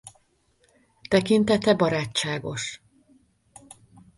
Tekintete barátságos.